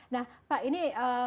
nah pak ini